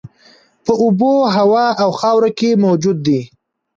په اوبو، هوا او خاورو کې موجود دي.